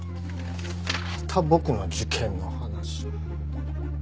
また僕の受験の話。